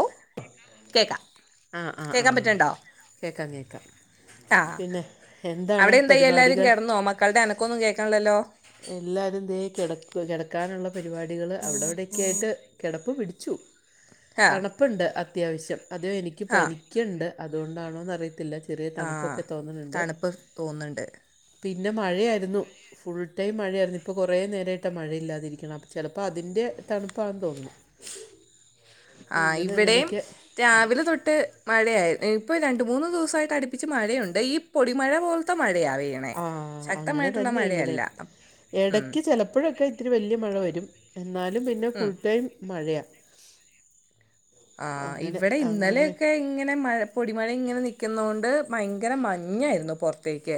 ഓ കേക്കാം കേക്കാം. ആ ആ ആ, കേക്കാൻ കേക്കാം പറ്റണ്ടോ പറ്റ്ണ്ടോ? കേക്കാം കേക്കാം. ആ ആ അവിടെ എന്തായി എല്ലാരും പരിപാടികൾ കെടന്നോ മക്കളുടെ അനക്കൊന്നും കേക്ക്ണില്ലല്ലോ എല്ലാരും ദേ കിടക്കുവ കിടക്കാനുള്ള പരിപാടികൾ അവിടെവിടെയൊക്കെയായിട്ട് കെട്പ്പ് പിടിച്ചു. ആ തണുപ്പുണ്ട് അത്യാവശ്യം അതോ എനിയ്ക്ക് ആ പനിക്ക്ണ്ട് അതുകൊണ്ടാണോന്ന് അറിയത്തില്ല ചെൽ ചെറിയ ആ തണുപ്പൊക്കെ തോന്നുണണ്ട് തണുപ്പ് തോന്നുന്നുണ്ട് പിന്നെ മഴയായിരുന്നു ഫുൾ. ടൈം മഴയായിരുന്നു ഇപ്പോ കൊറേ നേരമായിട്ട മഴയില്ലാതിരിക്കണത് അപ്പൊ ചെലപ്പോ അതിന്റെ തണുപ്പാണെന്ന് തോന്നുണു. ആ അങ്ങനെ ഇവിടെയും അങ്ങനെയൊക്കെ. രാവിലെ തൊട്ട് മഴയായി ഇപ്പോ രണ്ട് മൂന്ന് ദിവസായിട്ട് അടുപ്പിച്ച് മഴയുണ്ടെ ഈ പൊടിമഴ പോലത്തെ മഴയാ പെയ്യു ന്നെ ആഹ് അങ്ങനെ തന്നെയ ഇവിടെം ഉം, എടക്ക് ചെലപ്പൊഴൊക്കെ ഒത്തിരി വല്ല്യ മഴ വരും എന്നാലും പിന്നെ ഉം. ഫുൾ ടൈം മഴയാ ആ അങ്ങനെ ഇവിടെ അങ്ങനെ ഇന്നലെയൊക്കെ ഇങ്ങനെ മഴ പൊടിമഴ ഇങ്ങനെ നിക്കുന്നോണ്ട് ഭയങ്കര മഞ്ഞായിരുന്നു പുറത്തേക്ക്.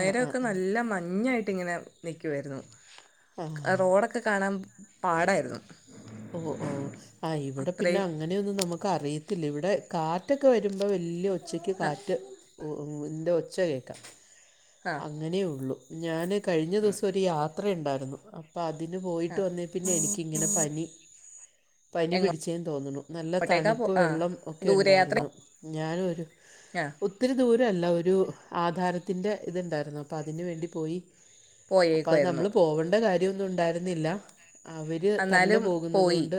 ആഹ് ആഹ് ആഹ് നല്ല മഞ്ഞായിട്ട് ഇങ്ങനെ നിക്കുവായിരുന്നു ആഹ് റോഡൊക്കെ ഒക്കെ കാണാൻ പാടായിരുന്നു. ഓഹ് ഓ ആ ഇവിടെ പിന്നെ അത്രയും അങ്ങനെയൊന്നും നമ്മുക്ക് അറിയത്തില്ല ഇവിടെ കാറ്റൊക്കെ വരുമ്പോ വല്ല്യ ഒച്ചക്ക് ആഹ് കാറ്റ് ഒ.. ഓ.. ൻ്റെ ഒച്ച കേൾക്കാം. ആഹ് അങ്ങനെയുള്ളു ഞാന് കഴിഞ്ഞ ദിവസം ഒരു യാത്ര ഇണ്ടായിരുന്നു അപ്പം അതിന് പോയിട്ട് ആഹ് വന്ന് പിന്നെ എനിക്കിങ്ങനെ പനി പനി പിടിച്ചേന്ന് തോന്നണു. നല്ല എങ്ങോട്ടേക്കാ പോ തണുപ്പ് ആഹ് വെള്ളം ഒക്കെ ദൂരയാത്ര ഇണ്ടായിരുന്നു ഞാൻ ഒരു ആഹ് ഒത് ഒത്തിരി ദൂരം അല്ല ഒരു ആധാരത്തിന്റെ ഇത്ണ്ടായിരുന്നു അപ്പം അതിന് വേണ്ടി പോയി അപ്പം അത് പോയേക്കുമായിരുന്നു നമ്മള് പോവണ്ട കാര്യമൊന്നും ഉണ്ടായിരുന്നില്ല അവര് തന്നെ എന്നാലും പോകുന്നത് പോയി കൊണ്ട്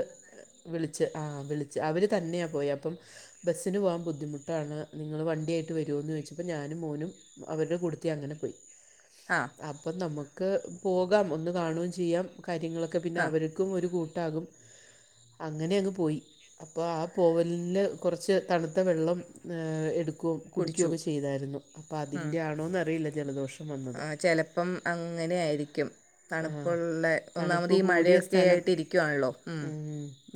വിളിച്ച് ആ വിളിച്ച് അവര് തന്നെയാ പോയെ അപ്പം ബസ്സിന് പോവാൻ ബുദ്ധിമുട്ടാണ് നിങ്ങൾ വണ്ടി ആയിട്ട് വരുവോന്ന് ചോയ്ച്ചപ്പം ഞാനും മോനും അവരുടെ കൂടെ ത്തി അങ്ങനെ പോയി. ആ അപ്പം നമ്മുക്ക് പോകാം ഒന്ന് കാണുകയും ചെയ്യാം കാര്യങ്ങളൊക്കെ പിന്നെ ആഹ് അവര് ർക്കും ഒരു കൂട്ടാകും അങ്ങനെ അങ്ങ് പോയി അപ്പൊ ആ പോവലില് കുറച്ച് തണുത്ത വെള്ളം എടു ക്കും കുടിച്ചു കുടികൊക്കെ ചെയ്തായിരുന്നു അപ്പം അതിൻ്റെ ആണോന്നറിയില്ല ജലദോഷം വന്നത് ആ ചെലപ്പം അങ്ങനെ ആയിരിക്കും ആ തണുപ്പുള്ളെ ഒന്നാമത് തണുപ്പ് ഈ കൂടിയ മഴയൊക്കെ സ്ഥലം ആയിട്ട് ഇരിക്കുവാണല്ലോ ഉം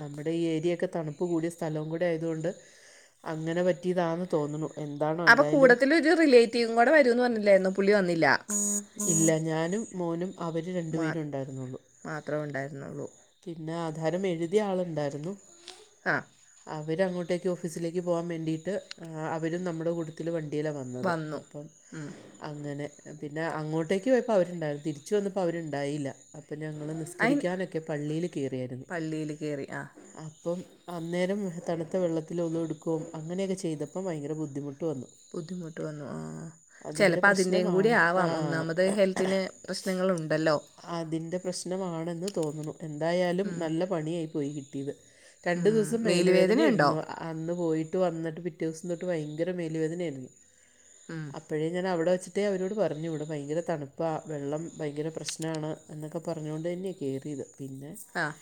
നമ്മുടെ ഈ ഏരിയയൊക്കെ തണുപ്പ് കൂടിയ സ്ഥലവും കൂടി ആയതു കൊണ്ട് അങ്ങനെ പറ്റിയതാന്ന് തോന്നണു അപ്പൊ കൂടത്തിലൊരു റിലേറ്റീവും കൂടെ വരുംവെന്ന് പറഞ്ഞില്ലായിരുന്നോ പുള്ളി വന്നില്ല ഇല്ല ഞാനും മോനും അവര് രണ്ടു മാ പേരും ഇണ്ടായിരുന്നുള്ളു മാത്രമേ ഉണ്ടായിരുന്നുള്ളൂ പിന്നെ ആധാരം എഴുതിയ ആളുണ്ടായിരുന്നു ആ അവര് അങ്ങോട്ടേക്ക് ഓഫീസിലേക്ക് പോകാൻ വേണ്ടിയിട്ട് അവരും നമ്മുടെ കൂടെ ട്ടത്തില് വണ്ടിയിലാ വന്നത് വന്നു അപ്പം ഉം അങ്ങനെ പിന്നെ അങ്ങോട്ടേക്ക് പോയപ്പം അവരുണ്ടായിരുന്നു തിരിച്ച് വന്നപ്പോ അവര്ണ്ടായില്ല അപ്പൊ ഞങ്ങള് അയിന് നിസ്കരിക്കാനൊക്കെ പള്ളിയില് കേറിയായിരുന്നു പള്ളിയിൽ കയറി ആ അപ്പം അന്നേരം തണുത്ത വെള്ളത്തിലൊള്ളൊ എടുക്കും അങ്ങനെയൊക്കെ ചെയ്തപ്പം ഭയങ്കര ബുദ്ധിമുട്ട് വന്നു ബുദ്ധിമുട്ട് വന്നു ആഹ് അതിൻ്റെ ചെലപ്പോ അതി തിന്റെയും കൂടി പ്രശ്നമാണ് ആവാം ഒന്നാമത് ഹെൽത്തിന് പ്രശ്നങ്ങൾ ഉണ്ടല്ലോ അതിന്റെ പ്രശ്നമാണെന്ന് തോന്ന്ണു എന്തായാലും ഉം. നല്ല പണിയായി പോയി കിട്ടിത് രണ്ടു ഉം. ദിവസം മേലുവേദന ഉണ്ടോ മേലുവേദനയായിരുന്നു അ അന്ന് പോയിട്ട് വന്നിട്ട് പിറ്റേ ദിവസം തൊട്ട് ഭയങ്കര മേലു വേദനയായിരുന്നു ഉം അപ്പഴേ ഞാൻ അവിടെ വെ ച്ചിട്ടേ അവരോട് പറഞ്ഞു ഇവിടെ ഭയങ്കര തണുപ്പാ വെള്ളം ഭയങ്കര പ്രശ്നാണ് എന്നൊക്കെ പറഞ്ഞുകൊണ്ട് തന്നെയാ കേറിയത് പിന്നെ ആഹ്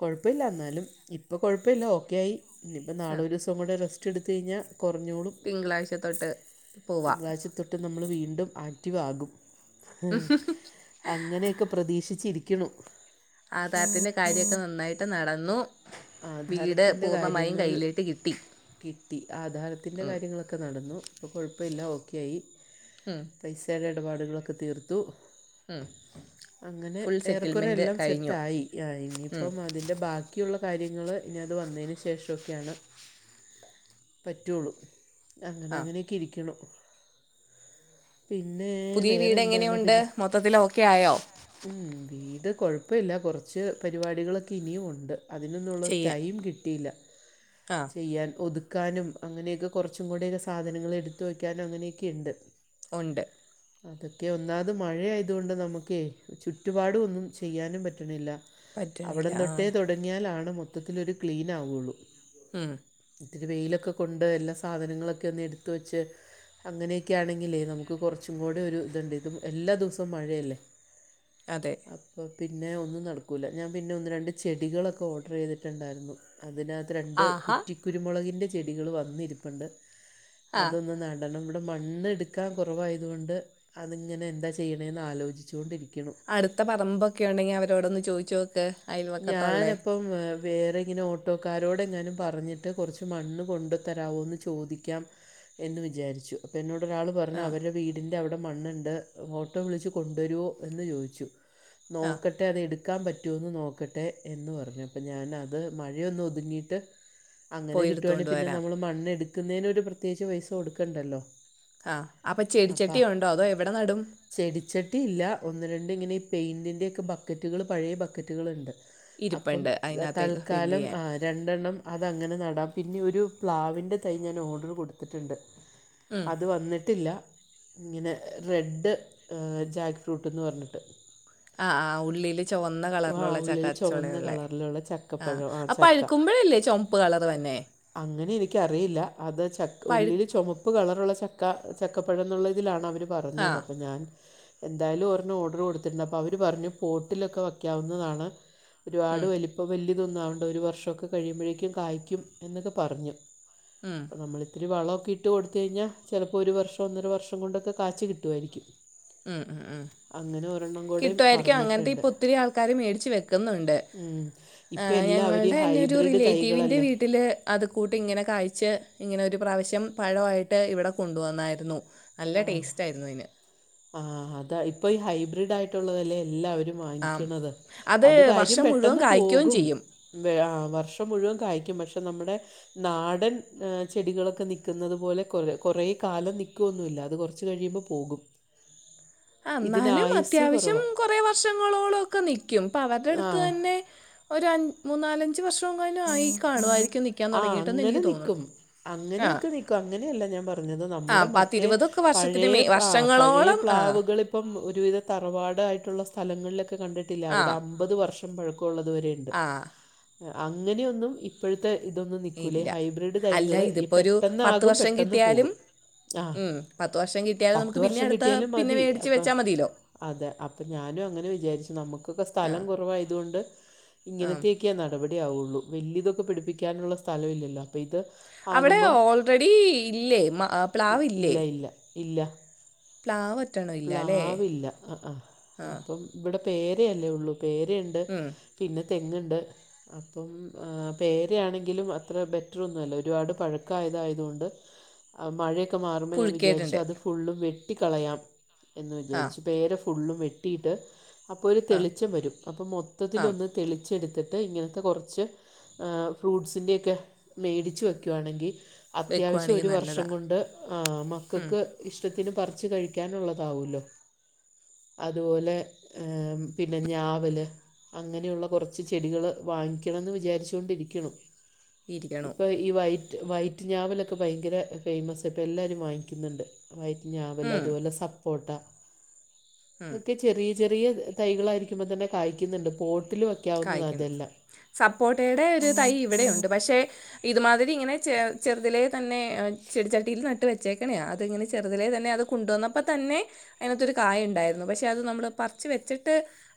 കൊഴപ്പഇല്ല എന്നാലും ഇപ്പം കുഴപ്പവ് ല്ല ഓക്കെ ആയി ഇനിയിപ്പം ആ. നാളെ ഒരു ദിവസം കൂടെ റെസ് റ്റെടുത്തു കഴിഞ്ഞാകൊറഞ്ഞോളും തിങ്കളാഴ്ച തൊട്ട് പോവാം ട്ട് നമ്മള് വീണ്ടും ആക്റ്റീവ് ആകും അങ്ങനെയൊക്കെ പ്രതീക്ഷിച്ചിരിക്ക്ണു ആധാരത്തിന്റെ കാര്യൊക്കെ നന്നായിട്ട് നടന്നൂ വീട് ആധാരത്തിൻ്റെ പൂർണമായും കാര്യങ്ങൾ കയ്യിലേട്ട് കിട്ടി കിട്ടി ആധാരത്തിന്റെ ഉം. കാര്യങ്ങളൊക്കെ നടന്നു ഇപ്പം കുഴപ്പവില്ല ഓക്കെ ആയി അഹ് പൈസേടെ എടപാടുകളൊക്കെ തീർത്തു ഉം അങ്ങനെ ഫുൾ ഏറെക്കുറെ സെറ്റിൽമെൻറ്റ് എല്ലാം കഴിഞ്ഞു സെറ്റ് ആയി ആഹ് ഉം ഇനിയിപ്പം അതിന്റെ ബാക് ക്കിയുള്ള കാര്യങ്ങള് ഇനി അത് വന്നെന് ശേഷവൊക്കെയാണ് പറ്റു ഒള്ളു അങ്ങനെ ആ അങ്ങനെയൊക്കെ ഇരിക്കിണു പിന്നെ പുതിയ വേറെ വീട് എങ്ങനെയുണ്ട് മൊത്തത്തിൽ ഓക്കെ ആയോ മം വീട് കുഴപ്പവില്ല കുറച്ച് പരിപാടികളൊക്കെ ഇനിയുഉ ണ്ട് അതിനൊന്നും ഉള്ള ടൈം കിട്ടിയില്ല ആഹ് ചെയ്യാൻ ഒതുക്കാനും അങ്ങനെയൊക്കെ കൊറച്ചും കൂടി സാധനങ്ങള് എടുത്ത് വയ്ക്കാനും അങ്ങനെയെ ക്കെയുണ്ട് ഉണ്ട് അതൊക്കെ ഒന്നാമത് മഴയായതു കൊണ്ട് നമുക്കെയ് ചുറ്റുപാട് ഒന്നും ചെയ്യാനും പറ്റണില്ല പറ്റണില്ല അവിടെ ആ തൊട്ടേ തൊടങ്ങിയാലാണ് മൊത്തത്തിലൊരു ക്ലീനാവൊള്ളൂ ഉം ഇത്തിരി വെയിലൊക്കെ കൊണ്ട് എല്ലാ സാധനങ്ങളൊക്കെ ഒന്ന് എടുത്ത് വെച്ച് അങ്ങനെയൊക്കെ ആണെങ്കിലേ നമുക്ക് കുറച്ചും കൂടെ ഒരു ഇതുണ്ട് ഇത് എല്ലാ ദിവസവും മഴയല്ലേ അതെ അപ്പൊ പിന്നെ ഒന്നും നടക്കൂല്ല ഞാൻ പിന്നെ ഒന്ന് രണ്ട് ചെടികളൊക്കെ ഓർഡർ ചെയ്തിട്ടുണ്ടായിരുന്നു അതിനകത്ത് രണ്ട് ആഹാ കുറ്റികു രുമുളകിൻ്റെ ചെടികള് വന്നിരിപ്പുണ്ട് ആ അതൊന്ന് നട ണം ഇവിടെ മണ്ണെടുക്കാൻ കുറവായതുകൊണ്ട് അതിങ്ങനെ എന്താ ചെയ്യണെന്ന് ആലോചിച്ചു കൊണ്ടിരിക്കണു അടുത്ത പറമ്പൊക്കെ ഉണ്ടെങ്കി അവരോടൊന്ന് ചോദിച്ച് നോക്ക് ഞാൻ അയൽവക്കത്തുള്ളേ അപ്പം വേറെ ഇങ്ങനെ ഓട്ടോക്കാരോട് എങ്ങാനും പറഞ്ഞിട്ട് കുറച്ച് മണ്ണ് കൊണ്ടു തരാവോന്ന് ചോദിക്കാം എന്ന് വിചാരിച്ചു അപ്പോ എന്നോട് ഒരാള് പറഞ്ഞ് ആ അവരെ വീ ടിന്റെ അവ്ടെ മണ്ണ്ണ്ട് ഓട്ടോ വിളിച്ച് കൊണ്ടുവരോ എന്ന് ചോദിച്ചു ആ നോക്ക ട്ടെ അത് എടുക്കാൻ പറ്റോന്ന് നോക്ക ക്കട്ടെ എന്ന് പറഞ്ഞു അപ്പം ഞാന് അത് മഴയൊന്ന് ഒതുങ്ങിയിട്ട് അങ്ങനെ പോയി കിട്ടുവാണെങ്കിൽ എടുത്തുകൊണ്ട് പിന്നെ വരാം നമ്മള് മണ്ണ് എടുക്കുന്നേന് ഒരു പ്രത്യേകിച്ച് പൈസ കൊടുക്കണ്ടല്ലോ ആഹ് അപ്പോ അപ്പം ചെടിച്ചട്ടിയുണ്ടോ അതോ എവിടെ നടും ചെടിച്ചട്ടി ഇല്ല ഒന്ന് രണ്ട് ഇങ്ങനെ ഈ പെയിന്റിന്റെയൊക്കെ ബക്കറ്റുകള് പഴയ ബക്കറ്റുകള്ണ്ട് അപ്പം ഇരിപ്പുണ്ട് അതിനകത്തേക്ക് ഫില്ല് തൽക്കാലം ചെയ്യാൻ ആഹ് രണ്ടെണ്ണം അതങ്ങനെ നടാം പിന്നെ ഒരു പ്ലാവിൻ്റെ തൈ ഞാൻ ഓർഡർ കൊടുത്തിട്ടുണ്ട് ഉം അത് വന്നിട്ടില്ല ഇങ്ങനെ റെഡ് ജാക്ക് ഫ്രൂട്ട്ന്ന് പറഞ്ഞിട്ട് ആ ആ ഉള്ളില് ചുവന്ന ആ കളറിലുള്ള ഉള്ളിൽ ചുവന്ന ചക്കചൊളയു ള്ളേ കളറിലുള്ള ആഹ് ചക്കപ്പഴം ആ അത് ചക്ക പഴുക്കുമ്പോഴല്ലേ ചുവപ്പ് കളറ് വരുന്നേ അങ്ങനെ എനിക്കറിയില്ല അത് ചക്ക പഴു ഉള്ളില് ചുമപ്പ് ചുമപ്പ് കളറുള്ള ചക്ക ചക്കപ്പഴം എന്നുള്ളതിലാണ് അവർ ആ പറഞ്ഞത് അപ്പോൾ ഞാൻ എന്തായാലും ഒരണ്ണം ഓർഡറ് കൊടുത്തിട്ടുണ്ട് അപ്പോൾ അവര് പറഞ്ഞു പോട്ടിലൊക്കെ വയ്ക്കാവുന്നതാണ് ഒരുപാട് ഉം, വലിപ്പ ഇപ്പോൾ വലിയതൊന്നും ആവണ്ട ഒരു വർഷോക്കെ കഴിയുമ്പോഴേക്കും കായ്ക്കും എന്നൊക്കെ പറഞ്ഞു ആഹ് നമ്മള് ഇത്തിരി വളമൊക്കെ ഇട്ട് കൊടുത്ത് കഴിഞ്ഞാ ചിലപ്പോ ഒരു വർഷം ഒന്നര വർഷം കൊണ്ടൊക്കെ കായ്ച്ചു കിട്ടുവാ യിരിക്കും ഉം ഉം ഉം കൂടെയും കിട്ടുവായിരിക്കും അങ്ങനത്തെ പറഞ്ഞിട്ടുണ്ട് ഇപ്പോ ഒത്തിരി ആൾക്കാര് മേടിച്ച് വെക്ക്ന്ന്ണ്ട് ഉം. ഇപ്പം ആഹ് എല്ലാവരും ഈ ഞങ്ങൾടെ തന്നെ ഒരു ഹൈബ്രിഡ് റിലേറ്റീവിന്റെ തൈകളല്ലേ വീട്ടില് അത് കൂട്ട് ഇങ്ങനെ കായിച്ച് ഇങ്ങനെ ഒരു പ്രാവശ്യം പഴമായിട്ട് ഇവിടെ കൊണ്ടുവന്നായിരുന്നു നല്ല ടേസ്റ്റ് ആയിരുന്നു അതിന് ആഹ് അതാ ഇപ്പോ ഈ ഹൈബ്രിഡ് ആയിട്ടുള്ളതല്ലേ എല്ലാവരും ആ വാങ്ങിക്കണത് അത് കാര്യം വർഷം മുഴുവൻ പെട്ടെന്ന് കായ്ക്കുകയും പോകും ചെയ്യും ആഹ് വർഷം മുഴുവൻ കായിക്കും പക്ഷേ നമ്മടെ നാടൻ ചെടികളൊക്കെ നിക്കുന്നത് പോലെ കൊറെ കാലം നികൊ ന്നുല്ല അത് കൊറച്ച് കഴിയുമ്പോ പോകും ആ ഇതിന് ന്നാലും ആയുസ്സ് അത്യാവശ്യം കുറവാണ് കുറെ വർഷങ്ങളോളം ഒക്കെ നിക്കും ഇപ്പോ അവര്ടെ ആ അടുത്ത് തന്നെ ഒരു അഞ്മൂന്നാല അഞ്ച് വർഷങ്ങാനും ആയി കാണുവായിരിക്കും നിക്കാൻ ആ തുടങ്ങീട്ടന്ന് അങ്ങനെ എനിക്ക് തോന്നുന്നു നിക്കും ആഹ് അങ്ങനെയൊക്കെ നിക്കും അങ്ങനല്ല ഞാൻ പറഞ്ഞത് നമ്മുടെ മറ്റേ പത്തിരുപതൊക്കെ പഴേ വർഷത്തിന് മേ പഴയ വർഷങ്ങളോളം ആ പ്ലാവുകൾ ഇപ്പം ഒരുവിധം തറവാടായിട്ടുള്ള സ്ഥലങ്ങളിലൊക്കെ കണ്ടിട്ടില്ലെ അവിടെ അമ്പത് വർഷം പഴക്കമുള്ളതുവരെയ ആഹ് അങ്ങനെയൊന്നും ഇപ്പോഴത്തെ ഇതൊന്നും നിക്കൂല ഇല്ല ഹൈബ്രിഡ് അല്ല തൈകള് ഈ ഇതിപ്പോൾ ഒരു പത്ത് പെട്ടെന്നാകും വർഷം പെട്ടെന്ന് കിട്ടിയാലും പോകും. ആ ഉം. പത്ത് വർഷം കിട്ടിയാലും പത്ത് നമ്മുക്ക് പിന്നെ വർഷം അടുത്ത കിട്ടിയാലും പിന്നെ മതി മേടിച്ച് അപ്പം വെച്ചാൽ മതിയല്ലോ. അതെ അപ്പൊ ഞാനും അങ്ങനെ വിചാരിച്ചു. നമുക്കൊക്കെ ആ സ്ഥലം കുറവായതുകൊണ്ട് ആ ഇങ്ങനത്തെയൊക്കെയേ നടപടി ആവുള്ളൂ വലിയ ഇതൊക്കെ പിടിപ്പിക്കാനുള്ള സ്ഥലം ഇല്ലല്ലോ അപ്പൊ ഇത് അവിടെ ആകുമ്പം ഓൾറെഡി ഇല്ലേ മാ ഇ- പ്ലാവ്ല്ഇല്ലേ? ഇല്ല ഇല്ല ഇല്ല ഒറ്റണം ഇല്ല അല്ലേ പ്ലാവില്ല അ ആഹാ ആ അപ്പം ഇവിടെ പേരയല്ലേ ഉള്ളൂ പേരയുണ്ട് ഉം. പിന്നെ തെങ്ങുണ്ട് അപ്പം പേരയാണെങ്കിലും അത്ര ബെറ്ററൊന്നുമല്ല ഒരുപാട് പഴക്കമായതായതുകൊണ്ട് മഴയൊക്കെ മാറുമ്പോ ഞാൻ വിചാരിച്ചു പുഴുക്കിയിട്ടുണ്ട് അത് ഫുള്ള് വെട്ടിക്കളയാം എന്ന് ആ വിചാരിച്ചു. പേര ഫുള്ളും വെട്ടിയിട്ട് അപ്പോൾ ഒരു ആ തെളിച്ചം വരും അപ്പോൾ ആ മൊത്തത്തിലൊന്ന് തെളിച്ചെടുത്തിട്ട് ഇങ്ങനെ കുറച്ച്ഫ്രൂട്ട്സിന്റെഒക്കെ മേടിച്ച് വെക്കു ആണെങ്കി അത്യാവശ്യം വെക്കുവാണെങ്കിൽ ഒരു വർഷം നല്ലതാണ് കൊണ്ട് ആ മക്കക്ക് ഇഷ്ടത്തിന് പറിച്ച് കഴിക്കാനുള്ളതാവോല്ലോ. അത്പോലെ ആഹ് പിന്നെ ഞാവൽ അങ്ങനെയുള്ള കൊറച്ച് ചെടികൾ വാങ്ങിക്കണംന്ന് വിചാരിച്ചൊണ്ടിരിക്കണു. ഇരിക്കണു ഇപ്പൊ ഈ വൈറ്റ് വൈറ്റ് ഞാവലൊക്കെ ഭയങ്കര ഫേമസ്. ഇപ്പോൾ എല്ലാവരും വാങ്ങിക്ക്നന്ന്ണ്ട്. വയറ്റ് ഞാവല് ഉം, അതുപോലെ സപ്പോട്ട ഉം, ചെറിയ ചെറിയ തൈകളായിരിക്കുമ്പോ തന്നെ കായ്ക്ന്ന്ണ്ട്. പോട്ടിൽ വെക്കാവുന്നതാ കായ്ക്കുന്നു ഇതെല്ലാം. സപ്പോട്ടയുടെ ഒരു തൈ ഇവിടെ ഉണ്ട്. പക്ഷെ ഇതുമാതിരി ഇങ്ങനെ ചെറുതിലെ തന്നെ ചെടിച്ചട്ടിയിൽ നട്ട് വെച്ചേക്കണെയാണ്. അതി ഇങ്ങനെ ചെറുതലേ തന്നെ അത് കൊണ്ടുവന്നപ്പോൾ തന്നെ അതിനാത്തെരു കായ് ഉണ്ടായിരുന്നു. പക്ഷെ അത് നമ്മള് പറച്ച് വെച്ചിട്ട്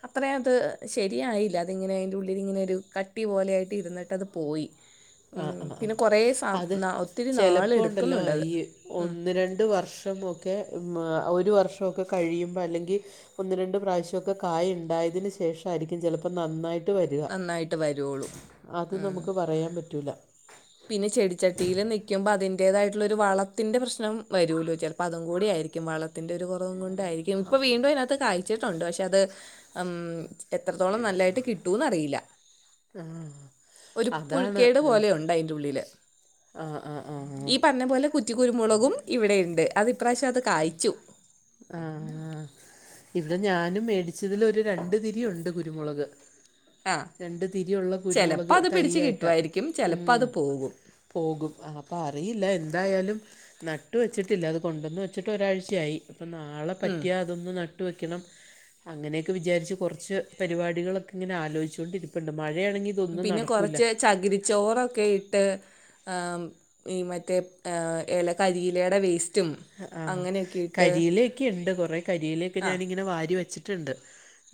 അത്രയും അത് ശരിയായില്ല. അതിങ്ങനെ അതിന്റെ ഉള്ളിൽ ഇങ്ങനെ ഒരു കട്ടി പോലെയായിട്ട് ഇരിട്ട് അത് പോയി. ഉം, ആഹ് ആ പിന്നെ കുറേ സാ ആ അത് നാ- ഒത്തിരി ചിലപ്പോ ഉണ്ടല്ലോ നാളെടുക്കുന്നുണ്ടത് ഈ ഉം. ഒന്ന് രണ്ട് വർഷം ഒക്കെ ഒരു വർഷമൊക്കെ കഴിയുമ്പോൾ അല്ലെങ്കി ഒന്ന് രണ്ട് പ്രാവശ്യം ഒക്കെ കായ ഇണ്ടായതിന് ശേഷം ആയിരിക്കും ചിലപ്പോ നന്നായി വരിക നന്നായിട്ട് വരുള്ളൂ അത് ഉം നമ്മുക്ക് പറയാൻ പറ്റൂല പിന്നെ ചെടിച്ചട്ടിയിൽ നിൽക്കുമ്പോ അതിന്റേതായിട്ടുള്ള ഒരു വളത്തിന്റെ പ്രശ്നം വരുല്ലോ ചിലപ്പോ അതും കൂടിയായിരിക്കും വള ത്തിന്റെ ഒരു കുറവും കൊണ്ടായിരിക്കും ഇപ്പൊ വീണ്ടും അതിനകത്ത് കാഴ്ചിട്ടുണ്ട് പക്ഷെ അത് ഇം എത്രത്തോളം നല്ലായിട്ട് കിട്ടൂന്ന് അറിയില്ല. ആ ഒരു അതാണ് പുഴക്കേട് ഉം. പോലെ ഉണ്ട് അയ്ന് ആ ആ ആ ഈ പറഞ്ഞ പോലെ കുറ്റി കുരുമുളകും ഇവിടെ ഉണ്ട്. അത് ഇപ്രാവശ്യം അത് കായ്ച്ചു. ആആ ഇവിടെ ഞാനും മേടിച്ചതിൽ ഒരു രണ്ട് തിരി ഉണ്ട് കുരുമുളക്. ആ രണ്ട് തിരിയ ഉള്ള കുരുമുളക് ചിലപ്പോൾ അത് പിടിച്ച് തയ്യായായിട്ടാ. കിട്ടുമായിരിക്കും ചിലപ്പോൾ ഉം. അത് പോകും പോകും. അപ്പം അറിയില്ല എന്തായാലും നട്ട് വെച്ചിട്ടില്ല. അത് കൊണ്ടുവന്ന് വെച്ചിട്ട് ഒരാഴ്ചയായി. അപ്പം നാളെ ഉം. പറ്റിയാൽ അതൊന്ന് നട്ട് വെക്കണം. അങ്ങനെയൊക്കെ വിചാരിച്ച് കുറച്ച് പരിപാടികളൊക്കെ ഇങ്ങനെ ആലോജിച്ചു കൊണ്ട് ഇരിപ്പുണ്ട്. മഴയാണെങ്കി പിന്നെ കുറച്ച് ചകിരിച്ചോറൊക്കെ ഇട്ട് ആഹ് മറ്റേ ഇലക്കരിയിലയുടെ വേ സ്‌റ്റും ആഹ് കരിയിലൊക്കെ ഉണ്ട്. കൊറെ കരിയിലൊക്കെ ആ ഞാനിങ്ങനെ വാരി വെച്ചിട്ടുണ്ട്.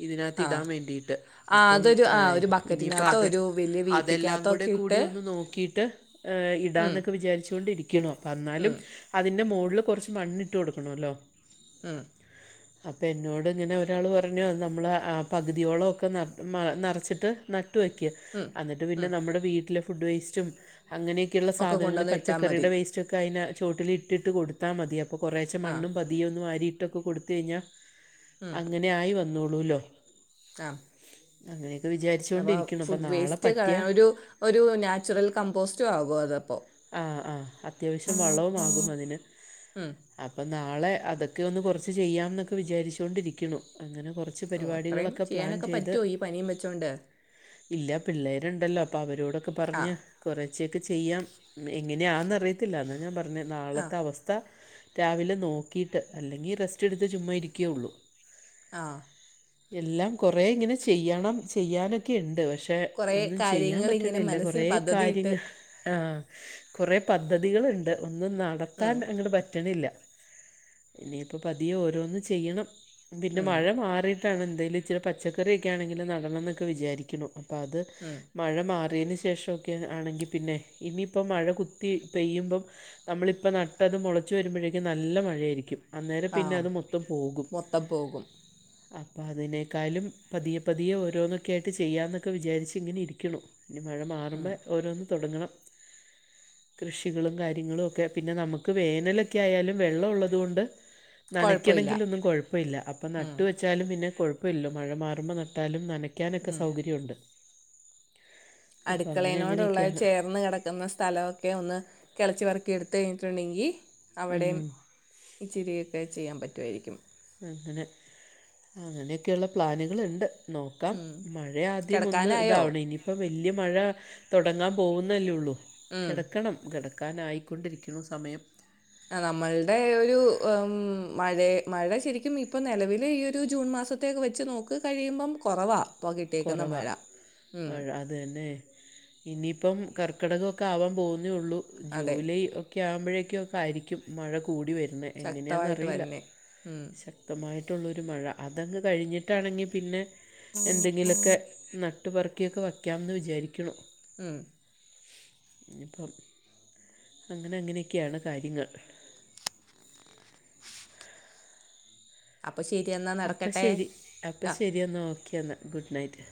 ഇതിനകത്ത് ആ ഇടാൻ വേണ്ടിയിട്ട്. ആ അപ്പം അതൊരു ആ ഒരു ഇനിയിപ്പ ബക്കറ്റിനകത്തോ അത് ഒരു വലിയ ഇതെല്ലാം വീപ്പിക്കകത്തോ കൂടെ ഒക്കെ കൂടി ഇട്ട് ഒന്ന് നോക്കിട്ട് ഉം, ഇടാന്നൊക്കെ വിചാരിച്ച് കൊണ്ടിരിക്കണു. അപ്പോ ഉം, അന്നാലും അതിൻ്റെ മുകളിൽ കുറച്ച് മണ്ണിട്ട് കൊടുക്കണമല്ലോ ആഹ് അപ്പം എന്നോട് ഇങ്ങനെ ഒരാൾ പറഞ്ഞു നമ്മൾ ആ പകുതിയോളമൊക്കെ നിറച്ചിട്ട് നട്ടുവയ്ക്ക് ഉം, അന്നിട്ട് പിന്നെ ഉം, നമ്മുടെ വീട്ടിലെ ഫുഡ് വേസ്റ്റും അങ്ങനെയൊക്കെയുള്ള ഒക്കെ സാധനങ്ങൾ കൊണ്ടുവന്ന് ഇട്ടാൽ മതി പച്ചക്കറിയുടെ വേസ്റ്റ് ഒക്കെ അതിന് ചോട്ടിൽ ഇട്ടിട്ട് കൊടുത്താ മതി അപ്പം അപ്പൊ കുറേശെ ആ മണ്ണും പതിയെ മണ്ണും വാരിയിട്ടൊക്കെ കൊടുത്തു കഴിഞ്ഞാൽ ഉം, അങ്ങനെ ആയി വന്നോളൂല്ലോ ആ അങ്ങനൊക്കെ വിചാരി അപ്പം ഫുഡ് വേസ്റ്റ് കളയാനൊരു ഒരു നാച്ചുറൽ കമ്പോസ്റ്റും ആവൂ അതപ്പോ ആ ആ അത്യാവശ്യം വളവും ആകും അതിന് ഹം അപ്പൊ നാളെ അതൊക്കെ ഒന്ന് കുറച്ച് ചെയ്യാം എന്നൊക്കെ വിചാരിച്ചോണ്ടിരിക്കുണു അങ്ങനെ കുറച്ച് കുച്ച് ഓ അത്രയും പരിപാടികളൊക്കെ പ്ലാൻ ചെയ്യാനൊക്കെ ചെയ്ത് പറ്റുമോ ഈ പനിയും വെച്ചോണ്ട് ഇല്ല പിള്ളേരുണ്ടല്ലോ അപ്പൊ അവരോടൊക്കെ ആ പറഞ്ഞ് കുറച്ചൊക്കെ ചെയ്യാം എങ്ങനെയാന്നറിയത്തില്ല എന്നാ ഞാൻ പറഞേ ആ നാളത്തെ അവസ്ഥ സ്ഥ രാവിലെ നോക്കിയിട്ട് അല്ലെങ്കിൽ റെസ്റ്റ് എടുത്ത് ചുമ്മാ ഇരിക്കെയുള്ളൂ ആ എല്ലാം കൊറേ ഇങ്ങനെ ചെയ്യണം ചെയ്യാനൊ ക്കെ ണ്ട് പക്ഷെ കൊറേ ഒന്നും ചെയ്യാൻ കാര്യങ്ങളിങ്ങനെ പറ്റണില്ല മനസ്സിൽ കുറേ പദ്ധതിയിട്ട് കാര്യങ്ങൾ കുറെ പദ്ധതികൾണ്ട് ഒന്നും നടത്താൻ ഉം അങ്ങട്ട് പറ്റണില്ല ഇനിയിപ്പോ പതിയെ ഓരോന്ന് ചെയ്യണം പിന്നെ ഉം മഴ മാറിട്ട് ട്ടാണ് എന്തേലും ച്ചിരി പച്ചക്കറിയൊക്കെ ആണെങ്കിൽ നടണം എന്നൊക്കെ വിചാരിക്കുന്നു അപ്പോൾ അത് ഇഹ് മഴ മാറിയതിന് ശേഷമൊക്കെ ആണെങ്കിൽ പിന്നെ ഇനി ഇപ്പം മഴ കുത്തി പെയ്യുമ്പം നമ്മളിപ്പം നട്ടത് മുളച്ചു വരുമ്പോഴേക്കും നല്ല മഴയായിരിക്കും അന്നേരം പിന്നെ ആഹ് അത് മൊത്തം പോകും മൊത്തം പോകും അപ്പം അതിനേക്കാലും പതിയെ പതിയെ ഓരോന്നൊക്കെ ആയിട്ട് ചെയ്യാ എന്നൊക്കെ വിചാരിച്ച് ഇങ്ങനെ ഇരിക്കണു ഇനി മഴ ഉം മാറുമ്പോ ഓരോന്ന് തൊടങ്ങണം കൃഷികളും കാര്യങ്ങളും ഒക്കെ പിന്നെ നമുക്ക് വേനലൊക്കെ ആയാലും വെള്ളം ഉള്ളതു കൊണ്ട് കൊഴപ്പവില്ല നനക്കണെങ്കിൽ ഒന്നും കോഴപ്പല്ല അപ്പ ഉം നട്ടുവെച്ചാലും പിന്നെ കോഴപ്പല്ലല്ലോ മഴ മാറുമ്പോ നട്ടാലും നന ക്കാനൊക്കെ ഉം സൗകര്യണ്ട് അടുക്കളനോടുള്ള ചേർന്ന് കിടക്കുന്ന സ്ഥലോ ക്കെ ഒന്ന് കിളച്ചി പറക്കി എടുത്ത് കഴിഞ്ഞിട്ടുണ്ടെങ്കി അവിടേം ഉം, ഇച്ചിരിയൊക്കെ ചെയ്യാൻ പറ്റുമായിരിക്കും അങ്ങനെ അങ്ങനെയൊക്കെയുള്ള പ്ലാനുകളുണ്ട്. നോക്കാം ഉം മഴ ആദ്യം ഒന്ന് കിടക്കാനായോ ഇതാവണം ഇനി പ്പം വല്യ മഴ തുടങ്ങാൻ പോകുന്നല്ലേള്ളൂ ഉം കിടക്കണം കിട ക്കാനായിക്കൊണ്ടിരിക്കുന്നു സമയം നമ്മൾടെ ഒരു ഉം മഴേ മഴ ശരിക്കും ഇപ്പൊ നിലവിലെ ഈ ഒരു ജൂൺ മാസത് ത്തേക്ക് വെച്ച് നോക്ക് കഴിയുമ്പം കുറവാ ഇപ്പോ കിട്ടേക്കുന്ന മഴ കുറവാണ് ഉം മഴ അത് തന്നെ ഇനിയിപ്പം കർക്കിടകൊക്കെ ആവാൻ പോകുന്നേയൊള്ളൂ അതെ ജൂലൈ ഒ ഒക്കെ ആവുമ്പോഴേക്കൊക്കെ ആയിരിക്കും മഴ കൂടി വരുന്നെ ശക്തമായിട്ട് എങ്ങനെയാന്നറിയില്ല. തന്നെ ഉം, ശക്തമായിട്ടുള്ളൊരു മഴ അതങ്ങ് കഴിഞ്ഞിട്ടാണെങ്കിൽ പിന്നെ എന്തെ ങ്കിലൊക്കെ നട്ട്പർക്കിയൊക്കെ വയ്ക്കാമന്ന് വിചാരിക്ക്ണു ഉം ഇനിപ്പം അങ്ങനെ അങ്ങനെയൊക്കെയാണ് കാര്യങ്ങൾ അപ്പൊ ശരി എന്നാ അപ്പം നടക്കട്ടെ ശരി അപ്പം ആ ശരി എന്നാ ഒക്കെന്നാ ഗുഡ് നൈറ്റ്